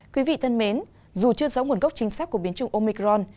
quý vị thân mến dù chưa giấu nguồn gốc chính xác của biến trùng omicron